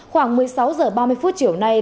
khoảng một mươi sáu h ba mươi phút chiều nay